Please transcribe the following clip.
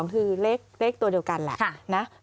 คือเลขตัวเดียวกันแหละนะ